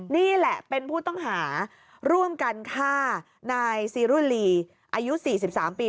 นี่แหละเป็นผู้ต้องหาร่วมกันฆ่านายซีรุลีอายุ๔๓ปี